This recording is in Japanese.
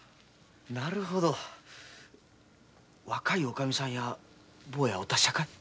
なるほど若いオカミさんや坊やはお達者かい？